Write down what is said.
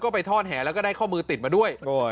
ไปทอดแห่แล้วก็ได้ข้อมือติดมาด้วย